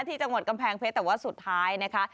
ที่จังหวัดกำแพงเพชรแต่ว่าสุดท้ายนะคะ